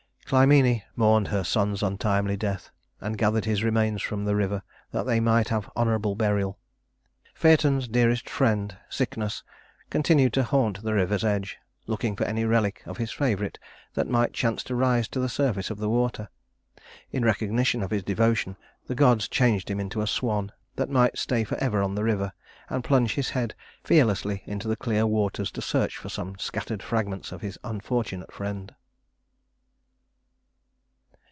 Clymene mourned her son's untimely death, and gathered his remains from the river that they might have honorable burial. Phaëton's dearest friend, Cycnus, continued to haunt the river's edge, looking for any relic of his favorite that might chance to rise to the surface of the water. In recognition of this devotion the gods changed him into a swan that might stay forever on the river and plunge his head fearlessly into the clear waters to search for some scattered fragments of his unfortunate friend.